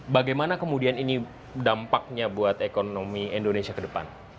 bagaimana kemudian ini dampaknya buat ekonomi indonesia ke depan